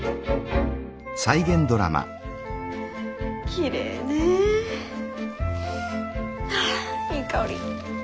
きれいね！はいい香り。